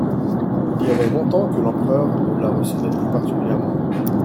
Il y avait long-temps que l'empereur ne la recevait plus particulièrement.